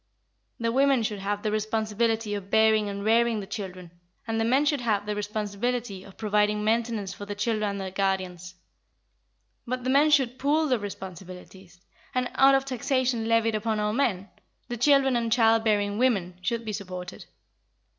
The women should have the responsibility of bearing and rearing the children, and the men should have the responsibility of providing maintenance for the children and their guardians; but the men should pool their responsibilities, and, out of taxation levied upon all men, the children and child bearing women should be supported.